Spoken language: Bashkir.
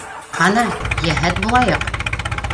Ҡана, йәһәт булайыҡ!